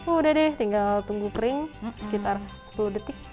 udah deh tinggal tunggu kering sekitar sepuluh detik